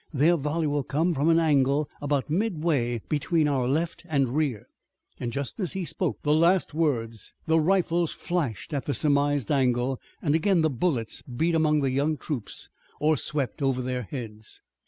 Their volley will come from an angle about midway between our left and rear." Just as he spoke the last words the rifles flashed at the surmised angle and again the bullets beat among the young troops or swept over their heads.